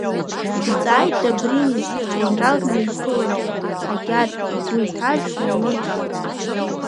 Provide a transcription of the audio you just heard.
Дҵааит Добринин аинрал днеиԥыҩлан, Ҳагьар игәы иҭаз еиликаарц.